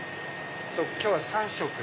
今日は３色。